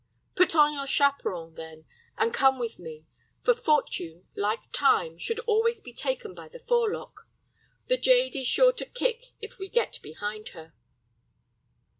Put on your chaperon, then, and come with me: for Fortune, like Time, should always be taken by the forelock. The jade is sure to kick if we get behind her."